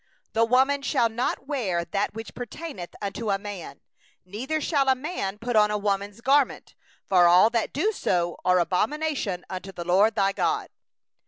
5A woman shall not wear that which pertaineth unto a man, neither shall a man put on a woman's garment; for whosoever doeth these things is an abomination unto the LORD thy God.